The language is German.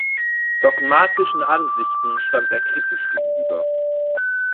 Dogmatischen Ansichten stand er kritisch gegenüber.